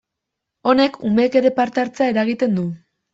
Honek, umeek ere parte hartzea eragiten du.